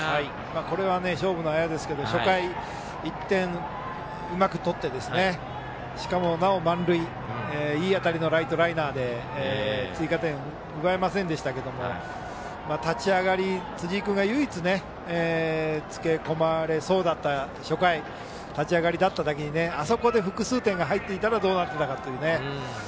これは勝負のあやですけど初回に１点うまく取ってしかも、なお満塁でいい当たりのライトライナーで追加点を奪えませんでしたけど立ち上がり、辻井君が唯一つけ込まれそうだった初回立ち上がりだっただけにあそこで複数点が入っていたらどうなっていたかというね。